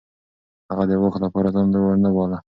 هغه د واک لپاره ځان لوړ نه باله.